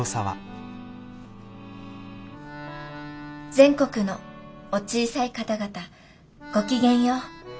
全国のお小さい方々ごきげんよう。